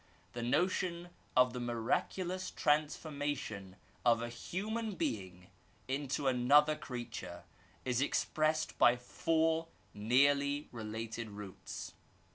The notion of the miraculous transformation of a human being into another creature is expressed by four nearly related roots.